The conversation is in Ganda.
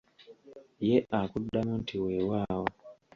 Ye akuddamu nti weewaawo.